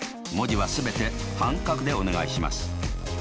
文字は全て半角でお願いします。